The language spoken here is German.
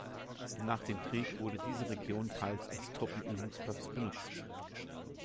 Nach dem Krieg wurde diese Region teils als Truppenübungsplatz benutzt.